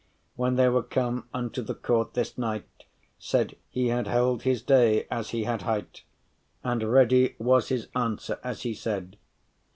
When they were come unto the court, this knight Said, he had held his day, as he had hight,* *promised And ready was his answer, as he said.